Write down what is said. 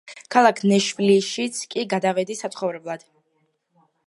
ქალაქ ნეშვილშიც კი გადავედი საცხოვრებლად.